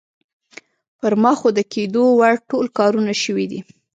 پر ما خو د کېدو وړ ټول کارونه شوي دي.